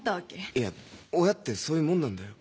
いや親ってそういうもんなんだよ。